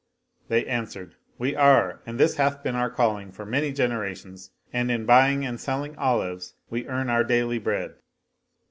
They answered, "We are and this hath been our calling for many generations, and in buying and selling olives we earn our daily bread."